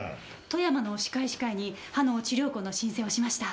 富山の歯科医師会に歯の治療痕の申請をしました。